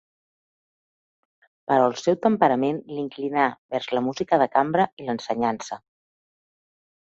Però el seu temperament l'inclinà vers la música de cambra i l'ensenyança.